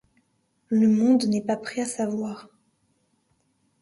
Le monde n’est pas prêt à savoir…